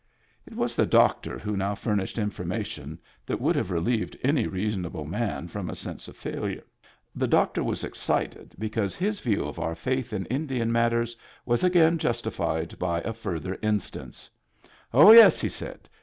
It was the doctor who now furnished information that would have relieved any reasonable man from a sense of failure. The doctor was excited be cause his view of our faith in Indian matters was again justified by a further instance. " Oh, yes ! he said.